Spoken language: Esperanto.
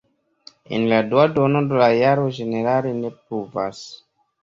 En la dua duono de la jaro ĝenerale ne pluvas.